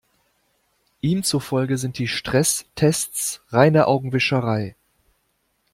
Ihm zufolge sind die Stresstests reine Augenwischerei.